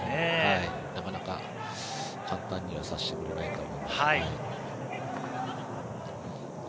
なかなか簡単にはさせてくれないですね。